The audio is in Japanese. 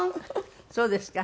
そうですか。